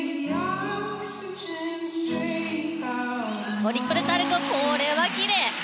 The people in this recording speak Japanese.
トリプルサルコウこれはきれい。